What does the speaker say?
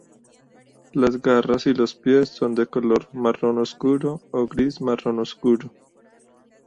Las garras y los pies son de color marrón oscuro o gris-marrón oscuro.